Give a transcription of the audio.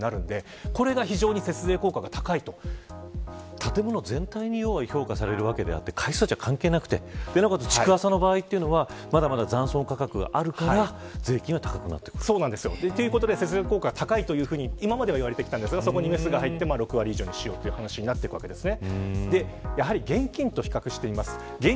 建物全体でようは評価されるわけであって階数は関係なくてなお数築浅は、まだまだ残存価格があるから税金が高くなってくる。ということで節税効果が高いと今までいわれてきたんですがそこにメスが入って６割以上にしようということになってくるわけです。